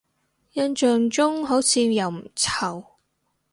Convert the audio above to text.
印象中好似又唔臭